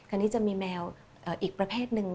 คันนี้จะมีแมวอีกประเภทหนึ่ง